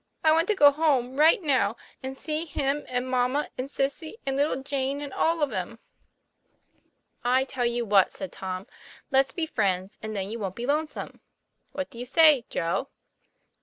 " I want to go home right now, and see him and mamma and Sissy and little Jane and all of 'em." "I tell you what," said Tom; " let's be friends, and then you wont be lonesome. What do you say, Joe?"